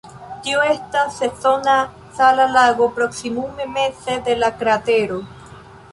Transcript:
Tio estas sezona sala lago proksimume meze de la kratero.